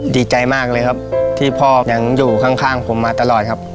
ดีใจมากเลยครับที่พ่อยังอยู่ข้างผมมาตลอดครับ